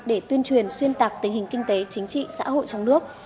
để tuyên truyền xuyên tạc tình hình kinh tế chính trị xã hội trong nước